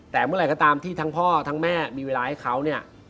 แต่เมื่อไหร่ก็ตามที่ทั้งพ่อทั้งแม่มีเวลาให้เขาเนี่ย